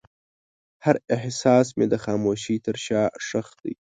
هر احساس مې د خاموشۍ تر شا ښخ دی.